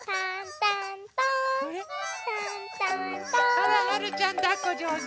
あらはるちゃんだっこじょうず。